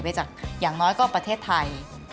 อย่างน้อยก็ประเทศไทย